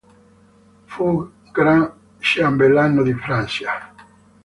Fu Gran ciambellano di Francia.